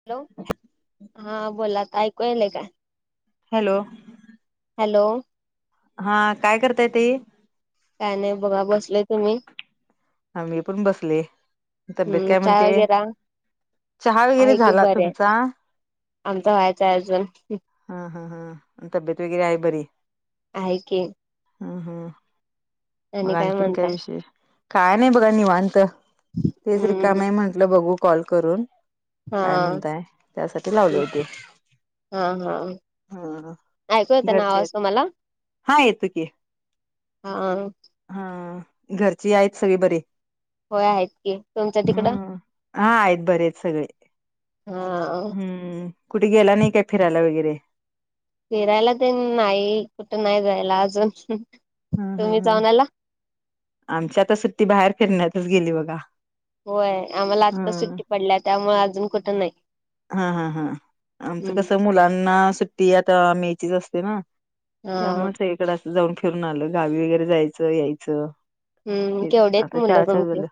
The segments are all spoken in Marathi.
हॅलो हा बोलात ऐकूयलय का? हॅलो. हॅलो. हा काय करताय त काय नाही बघा बसलेय तु म्ही आ्ी पण बसले तब्येत हम्म काय चहा म्हणते. वगैरे चहा वगैरे आहे की झाला बरे तुमचा? आमचा व्हायचंय अर्जून हा हा हां तब्येत वगैरे आहे बरी. आहे की हम् हम मग आणि आणखीन काय म्हणताय विषय काय नाही बघा निवांत तेच रिकाम हम्म म्हंटलं बघू कॉल करून हा काय म्हणताय त्यासाठी लावले हम्म होते. हा हा ह ऐकू येतोय ना घरचे आवाज आहेत तुम्हाला हा येतो की हा अ. हा घरची आहेत सगळी बरी व्हय आहेत की, तुमच्या ह तिकडं हा आहेत बरे आहेत सगळे हा हम्म, कुठे गेला नाही काय? फिर ता वगेरे फिरायला तेन नाही कुठं नाही जायला अजून? हा हा तुम्ही हा जाऊन आला आमच्या आता सुट्टी बाहेर फिरण्यातच गेली बघा. होय आम्हाला आता हम्म सुट्टी पडल्या त्यामुळे, अजून कुठं नाही? हा हा हा आमचं हम्म कसं मुलांना सुट्टी आता मेचीच असते ना. हा त्यामुळंच सगळी इकड असं जाऊन फिरून आलं, गावी वगैरे जायचं यायचं. हम्म हेच केवढे आहेत आता मुलं शाळा चालू तुमची झालं.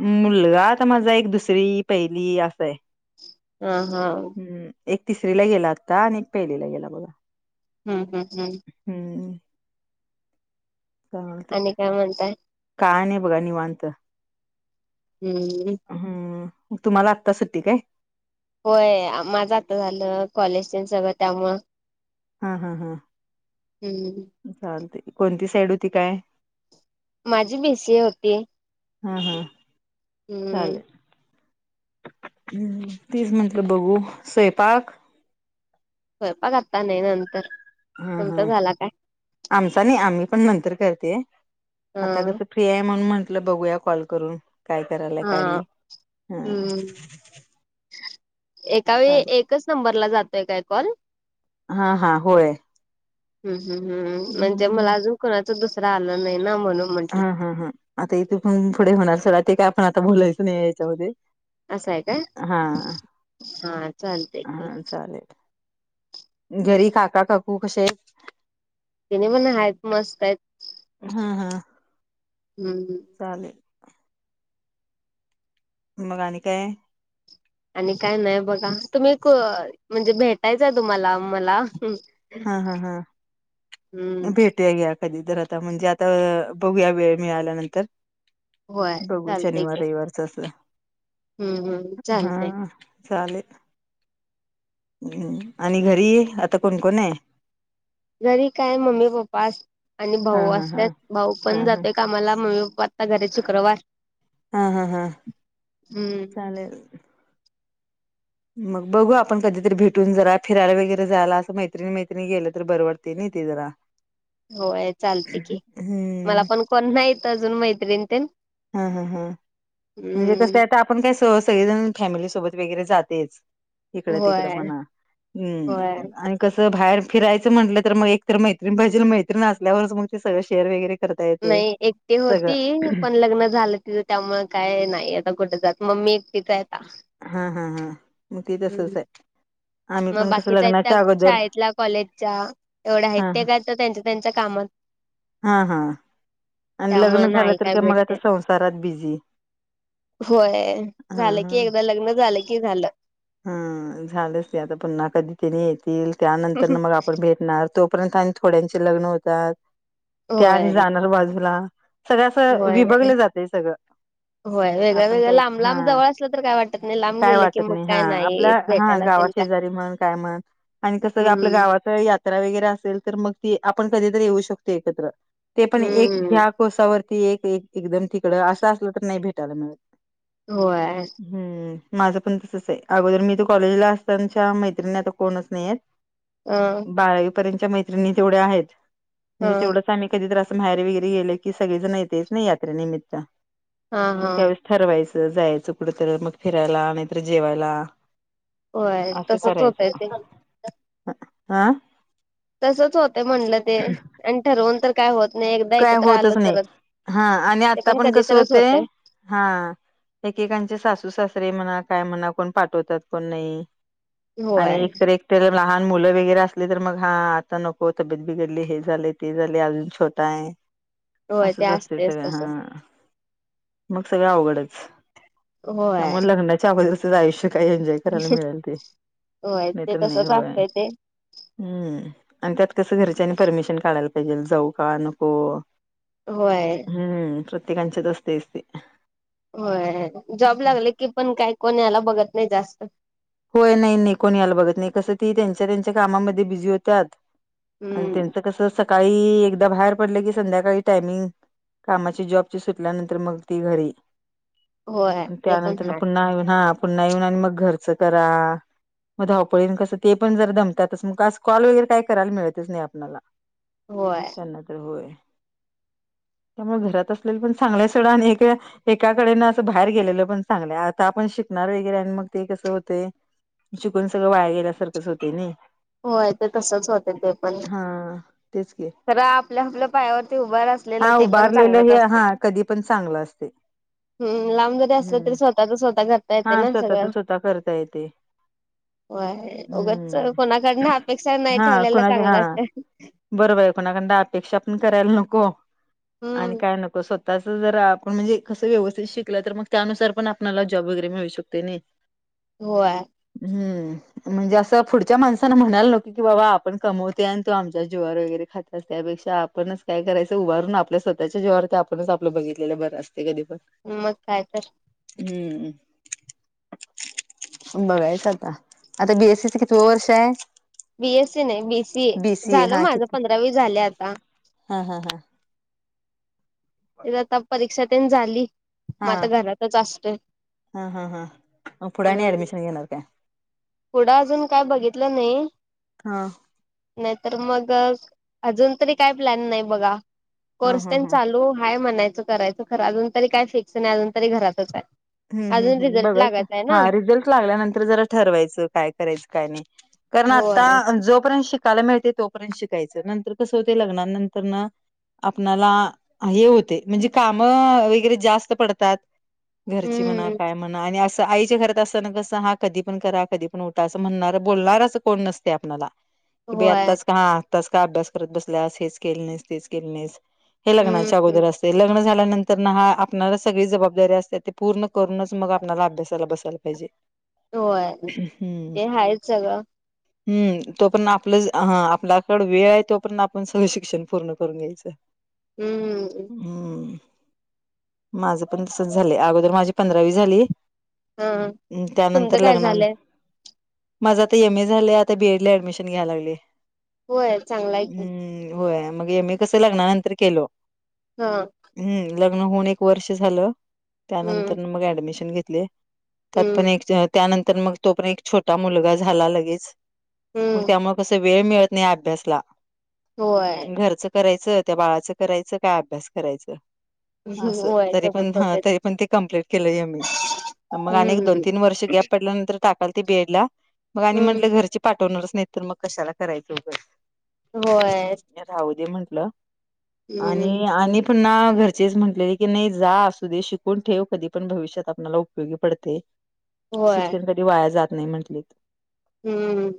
मुलगा आता माझा एक दुसरी पहिली असं हाय. हा हा. एक तिसरीला गेला आता आणि एक पहिलीला गेला बघा. हम् हम् हम्. हम्म. ते आणि काय म्हणताय काय नाही बघा निवांत. हम्म. हम्म तुम्हाला आत्ता सुट्टी काय? होय माझं आता झालं कॉलेज तेन सगळ त्यामुळं हा हा हा. हम्म. चालतय, कोणती साईड होती काय? माझी बी सी ए होती. हा हा हम्म चालेल. हम् तेच म्हटलं बघू स्वयपाक सैपाक आता नाही नंतर हा हा तुमचा झाला काय आमचा नाही, आम्ही पण नंतर करते. आता हा कसं फ्री आहे, म्हणून म्हंटलं बघूया कॉल करून. काय करायलाय काय हा नाही? हा. हम्म एका वेळी चालेल एकच नंबरला जातोय काय कॉल? हा हा होय. हम् हम् हम् म्हणजे मला अजून कोणाचा दुसरा आला नाही ना, म्हणून म्हंटलं हा हा ह आता इथ पण पुढे होणार सोडा, ते काय आपण आता बोलायचं नाही याच्यामध्ये असं हाय काय हा चालतय की, हा चालेल घरी काका काकू कसे आहेत. तिने पण हाएत मस्त आहेत. हा हा. हू हू. चालेल. मग आणी काय? आणि काय नाही बघा, तुम्ही म्हणजे भेटायचय तुम्हाला मला हा हा हा. हम्म भेट. टुया घ्या कधी तर, आता म्हणजे आता आ बघूया वेळ मिळाल्यानंतर होय बघू चालतय शनिवार की रविवारच अस हम्म हम्म हा चालतय आ. चालेल. हम् आणि घरी आता कोणकोण हाय? घरी काय मम्मी पप्पा आस आणि हा भाऊ हा हा असत्यात भाऊ हा पण हा जातोय कामाला, मम्मी पप्पा आता घरी आहेत आज शुक्रवार हा हा हा हम्म आणिले. मग बघू आपण कधीतरी भेटून जरा फिरायला वगैरे जायला असं मैत्रिणी मैत्रणी गेलं तर बरवडते नाही ते जरा. होय चालते की मला हम्म पण कोण्हा येतं अजून मैत्रिण ते हा हा हा म्हणजे कसं आहेता आपण काय स सगळेजण फॅमिली सोबत वगैरे जातेच. इकडं तिकडं होय मणा होय हम् आणि कसं बाहेर फिरायचं म्हटलं तर मग एक तर मैत्रीण पाहिजे मैत्रीण असल्यावरच मग ते सगं शेअर वगैरे करता येते नाही एकटी सगळं होती पण लग्न झालं ति त्यामुळे काय नाही आता कुठे जात मम्मी एक तिथ आहेता. हा हा हा मोती तर सस आहे. आम्ही मग पण कसं बाकीचा आहेत त्या लग्नाच्या अगोदर शाळेतल्या कॉलेजच्या एवढ्या आहेत हा त्या हा का त्यां त्यांच्या कामात हा हां आणि त्यामुळे लग्न झालं नाही तर काय का मग भेटते आता संसारात बिझी होय हा झालं की हा एकदा लग्न झालं की झालं. हम्म झालंच नाही आता पुन्हा कधी त्यांनी येतील त्यानंतर ना मग आपण भेट तोपर्यंत आणि थोड्यांचे लग्न होतात त्या आणि होय जाणार बाजूला सगळं असं होय विभगलं जाते सगळं होय वेगळ्या आपण वेळ्या काही लांब हा लांब जवळ असलं तर काय वाटत नाही लांब काय गेलं की वाटत मग नाही हा काय नाही येत आपल्या हा भेटायला गाव तेन काय शेजारी म्हण काय म्हण कस आपल्या हम्म गा ्रा वगे असेल तर मग त आपण कधी येऊ शकतो एकत्र ते पण एक हम्म कोसावरती एक एकदम तिकडं असं असलं तर नाही भेटायला मिळत. होय हम्म माझं पण तसच आहे. अगोदर मी तू कॉलेजला असतानाच्या मैत्रिणी आता कोणच नाहीेत. ह बाळावीपर्यंतच्या मैत्रिणी तेवढ्या आहेत म्हणजे ह तेवढ आम्ही कधीतर असं माहेरी वगैरे गेले की सगळे जण येतच नाही यात्रेनिमित्त हा हा ठरवायचं जायचं कुठ तर मग फिरायला नाहीतर जेवायला. होय असं तसच करायचं होतय ते हं तसच होते म्हणलं ते आणि ठरवून तर काय होत नाही एकदा काय एकत्र आलं होतच नाही. तरच हा आणि ते आता पण कसं कधीतच होतंय होते. हा एकेकांचे सासू सासरे म्हणा काय म्हणा कोण पाठवतात कोण नाही. आणि होय एकत एक त्या लहान मुलं वगैरे असले तर मग हा आता नको तब्येत बिघडली हे झाले ते झाले अजून य होय ते असंच असते असतेच सगळं तस हा मग सगळं अवघडच होय त्यामुळे लग्नाच्या आवज अस जाय शकत. काही एन्जॉय करायला मिळेल ते होय नाही ते तरर नाही तसच हय. असतंय ते हम्म आणि त्यात कसं घरच्यानी परमिशन काढायला पाहिजे जाऊ का नको. होय हम्म कृत कंचे दोस्त सते. होय जॉब लागले की पण काय कोणी याला बघत नाही जास्त होय नाही नाही कोणी यायला बघत नाही कसं ती त्यांच्या त्यांच्या कामामध्ये बिझी होत्या. आणि हम्म. त्यांचं कस सकाळी एकदा बाहेर पडलं की संध्याकाळी टायमिंग कामाची जॉबची सुटल्यानंतर मग ती घरी होय ते पण त्यानंतर हाय पुन्हा येऊन हा पुन्हा येऊन आणि मग घरचं करा. मग धावपळीन कसं ते पण जर दमतातच मग कॉल वगैरे काय करायला मिळतच नाही आपल्याला होय होय त्यामुळे घरात असले पण चांगल्या सड आणि्या एकाकडे ना असं बाहेर गेलेलं पण चांगलंय आता आपण शिकणार वगैरे आणि मग ते कसं. ते शिकून सगळं वाया गेल्यासारखंच होते ना ते होय ते तसच होते ते पण हा तेच की रे आपल आपल हा उभारलेलं हे हा कधी पण चांगलं असतंय हम् लांब जरी असलं हम्म तरी स्वतःच स्वतः घरता येते हा ना स्वतःच सगळं स्वतः करता येतंय होय उघच स कोणाकडन अपेक्षा नाही हम्म ठेवलेला चांगलंच बरं बा ऐकोणाकड अपेक्षा पण करायला नको आणि हम्म. काय नको स्वः तस जर आपण म्हणजे कसं व्यवस्थित शिकलं तर मग त्यानुसार पण आपल्याला जॉब वगैरे मिळू शकते नय होय हम्म म्हणजे असं पुढच्या माणसांना म्हणायला नको की बाबा आपण कमवते आणि तो आमच्या ज्ववर वगैरे खातो त्यापेक्षा आपणच काय करायचं उभारून आपल्या स्वतःच्या जेवावर ते आपणच आपलं बघितलेलं बरं असते कधी पण मग काय तर हम्म बघायचं आता आता बीएससीच किती वर्ष हाये बीएससी नाही बीसी ए झालं हा माझं किती पंधरावी झालं आता हा हा हा रता परीक्षा तीन झाली मग हा आता घरातच असत हम्म नय येनार काय पुढं अजून काय बघितलं नाही हा नाहीतर मग अजून तरी काय प्लॅन नाही बघा हा कोर्स हा ट हा चालू आहेय म्हणायचं करायचं खर अजून तरी काय फिक्स नाही अजून तरी घरातच हाय ह् ह् ह बघच हा रिझल्ट लागल्यानंतर जरा ठरवायचं काय करायचं काय नाही कारण होय आता जोपर्यंत शिकायला मिळते तोपर्यंत शिकायचं नंतर कसं होते लग्ना नंतर ना आपणाला हाय होते म्हणजे काम वगैरे जास्त पडतात घरची म्हणा हम्म काय म्हणा आणि अस आईच्या घरात असतना कसं हा कधी पण करा कधी पण उठा असं म्हणणार बोलणारच कोण नसते आपल्याला दे होय आत्ताच का आत्ताच का अभ्यास करत बसल्यास हेच केलं नाहीस तेच केलं नाहीस हे लग्नाच्या हम्म अगोदर असते लग्न झाल्यानंतर हा आप सगळी जबाबदारी असते पूर्ण करूनच मग आपला अभ्यासाला बसायला पाहिजे होय हम्म ते हायच सगळं हम् तोपर्यंत आपलं आपल्याकड वेळ आहे तोपर्यंत आपण सगळं शिक्षण पूर्ण करून घ्यायचं आवाज ऐकू येत नाही हम्मम्म् हम्म माझ पण तसच झालं अगोदर माझी पंधरावी झाली हा तुमचं त्यानंतर काय लग्नान झालंय माझा आता एम ए झालं आता बीएड ला ऍडमिशन घ्याय लागले होय चांगला आहे की हम्म होय मग मी कसं लग्नानंतर केल हा हम्म लग्न होऊन एक वर्ष झालं हम्म त्यानंतर मग ऍडमिशन घेतले त्यात हम्म पण त्यानंतर मग तो पण एक छोटा मुलगा झाला लगेच मग हम्म त्यामुळे कस वेळ मिळत नाही अभ्यासला होय घरचं करायचं त्या बाळाच करायचं काय अभ्यास करायचं अस होय तरी तसच पण ह होतंय त ते कंप्लीलेट केलं मी मग अनेक दोन हम्म तीन वर्ष गॅप पडल्यानंतर टाकाल त बीएड ला मग आणि हम्म म्हंटलं घरची पाठवणारच नाही तर मग कशाला करायचं उगस होय राह दे म्हंटलं हम्म आणि आणि पुन्हा घरचेच म्हंटलेले की नाही जा असू दे शिक कोण ठेव कधी पण भविष्यात आपला उपयोगी पडते होय शिक्षण कधी वाया जात नाही म्हंटलेत हम्म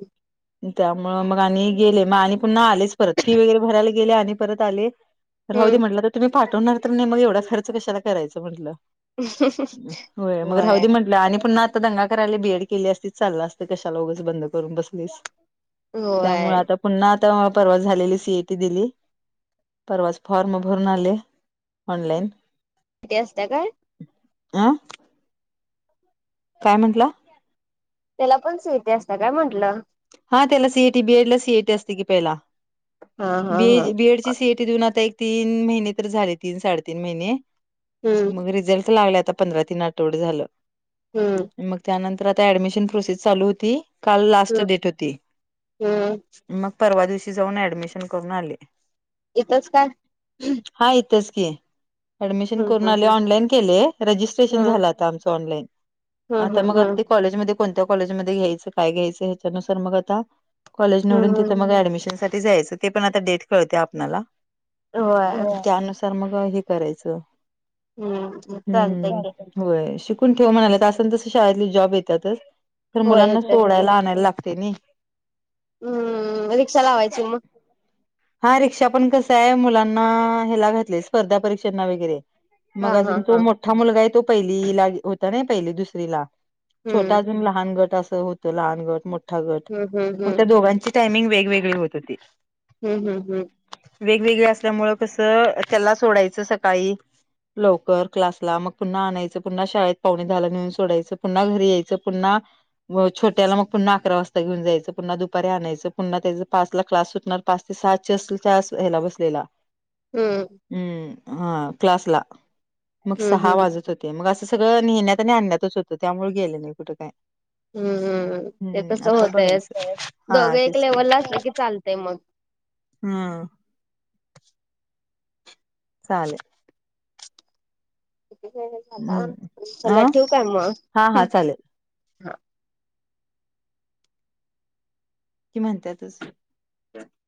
त्यामु मग आणि गेले मग आणि पुन्हा आलेच परत फी वगैरे भरायला गेले आणि परत आले राह दे हम्म म्हटलं तर तुम्ही पाठवणार तर नाही मग एवढा खर्च कशाला करायचं म्हटलं ह होय मग हौदी म्हटलं आणि पण ना आता दंगा करायला बीएड केली असतीच चाललं असतं कशा लोगच बंद करून बसलीस त्यामुळे होय आता पुन्हा आता परवा झालेली सीएटी दिली परवाच फॉर्म भरून आले ऑनलाईन किथे असत काय आं काय म्हटलं त्याला पण सहती असत काय म्हंटलं हा त्याला सीएटी बीएड ला सीएटी असते की पहिला हा हा हा बी बीएड ची सीएटी देऊन आता एक तीन महिने तर झाले तीन साडेतीन महिने हम्म म रिझल्ट लागले आता पंधरा तीन आठवड झालं हम्म मग त्यानंतर आता ऍडमिशन प्रोसेस चालू होती काल लास्ट हम्म डेट होती हम्म मग परवा दिवशी जाऊन ऍडमिशन करून आले इथच काय हा इथंच की ऍडमिशन हम्म करून आले हम्म ऑनलाईन केले रजिस्ट्रेशन हम्म झालं आता आमचं ऑनलाइन हम्म आता मग हम्म हम्म आता कॉलेज म कोणत्या कॉलेज म घ्यायचं काय घ्यायचं ह्याच्यानुसार मग आता कॉलेज निवून हम्म तिथं मग ऍडमिशन साठी जायचं ते पण आता डेट कळवते आपल्याला होय त्यानुसार मग हे करायचं हम्म चालतय हम्म की होय शिकून ठेव म्हणाले असन त शाळेतली जॉब येतातच तर होय मुलांना येतात की सोडायला आणायला लागत तेनी हम्म रिक्षा लावायची मग हा रिक्षा पण कस आहे मुलांना ह्याला घातले स्पर्धा परीक्षांना वगैरे मग हा हा अजून तो हा मोठा मुलगा आहे तो पहिलीला होता ना पहिली दुसरीला छोटा हम्म अजून लहान गट असं होत लहान गट मोठा गट हम्म हम्म मग त्या दोघांची टायमिंग वेगवेगळी होत होती हम्म हम् हम् वेगवेगळे असल्यामुं कसं त्याला सोडायचं सकाळी लवकर क्लासला मग पुन्हा आणायचं पुन्हा शाळेत पाहुणे झाला नेऊन सोडायचं पुन्हा घरी यायचं पुन्हा छोट्याला मग पुन्हा अकरा वाजता घेऊन जायचं पुन्हा दुपारी आणायचं पुन्हा त्याच पाच ला क्लास सुटणार पाच ते सात अस ह्याला बसलेला हम्म हम् हा क्लासला मग हम्म सहा हम्म वाजत होते ते मग असं सगळं नेहण्यात आणि आणण्यातच होतं त्यामुळे गेलं नाही कुठं काय हम्म हम्म ते हम्म तसं आता होतय बघायच हा दोघे एक तेच काय लेवलला असले की चालतय मग हा चालेल वेळ झाला हम्म चला अं ठेवू काय मग. हा हा चालेल कि म्हणतातस